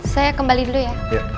saya kembali dulu ya